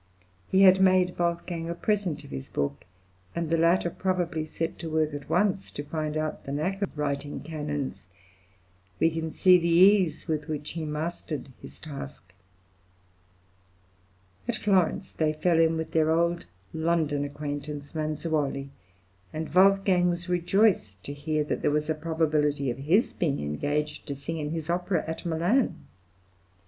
He had made Wolfgang a present of his book, and the latter probably set to work at once to find out the knack of writing canons. We can see the ease with which he mastered his task. At Florence, they fell in with their old London acquaintance Manzuoli, and Wolfgang was rejoiced to hear that there was a probability of his being engaged to sing in his opera at Milan.